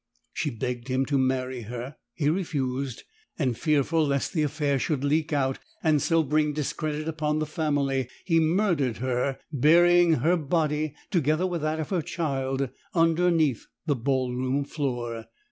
She begged him to marry her; he refused; and fearful lest the affair should leak out and so bring discredit upon the family, he murdered her, burying her body, together with that of her child, underneath the ballroom floor.